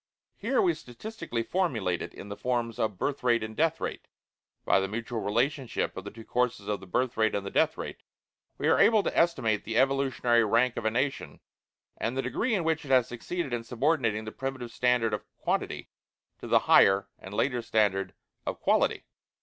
Here we statistically formulate it in the terms of birth rate and death rate; by the mutual relationship of the two courses of the birth rate and death rate we are able to estimate the evolutionary rank of a nation, and the degree in which it has succeeded in subordinating the primitive standard of quantity to the higher and later standard of quality.